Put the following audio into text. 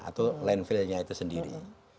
atau landfill nya itu sendiri